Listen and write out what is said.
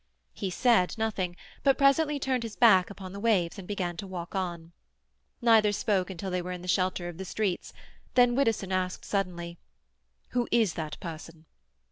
He said nothing, but presently turned his back upon the waves and began to walk on. Neither spoke until they were in the shelter of the streets; then Widdowson asked suddenly,— "Who is that person?"